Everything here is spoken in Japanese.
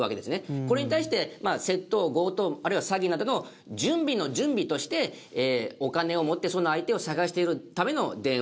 これに対して窃盗強盗あるいは詐欺などの準備の準備としてお金を持ってそうな相手を探しているための電話